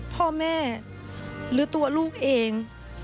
พ่อแม่หรือตัวลูกเอง